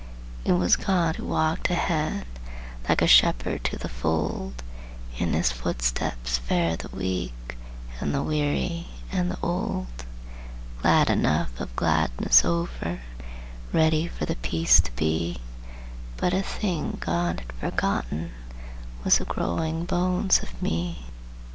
It was God who walked ahead, Like a shepherd to the fold; In his footsteps fared the weak, And the weary and the old, Glad enough of gladness over, Ready for the peace to be, But a thing God had forgotten Was the growing bones of me.